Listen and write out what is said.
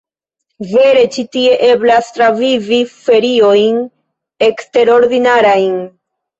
Vere ĉi tie eblas travivi feriojn eksterordinarajn!